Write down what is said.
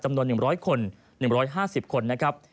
จำนวน๑๐๐คน๑๕๐คนนะครับ